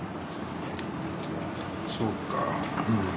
そうか。